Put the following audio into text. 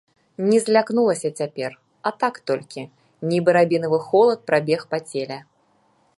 Не злякнулася цяпер, а так толькі, нібы рабінавы холад прабег па целе.